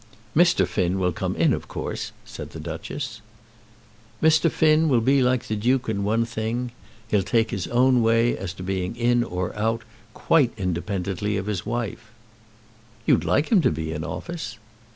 "Mr. Finn will come in, of course," said the Duchess. "Mr. Finn will be like the Duke in one thing. He'll take his own way as to being in or out quite independently of his wife." "You'd like him to be in office?"